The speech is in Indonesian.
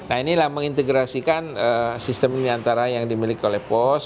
nah inilah mengintegrasikan sistem diantara yang dimiliki oleh pos